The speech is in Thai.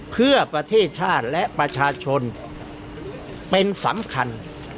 เพื่อประเทศชาติและประชาชนเป็นสำคัญ